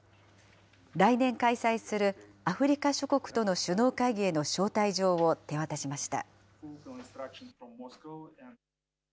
来年開催するアフリカ諸国との首脳会議への招待状を手渡しました。